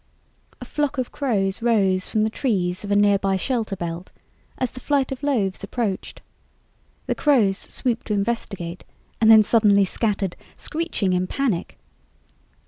A flock of crows rose from the trees of a nearby shelterbelt as the flight of loaves approached. The crows swooped to investigate and then suddenly scattered, screeching in panic.